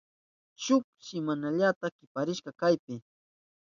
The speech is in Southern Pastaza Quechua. Shuk simanallata kiparisha kaypi.